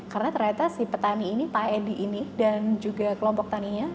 karena ternyata si petani ini pak edi ini dan juga kelompok taninya